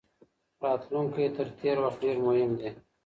راتلونکی تر تیر وخت ډیر مهم دی.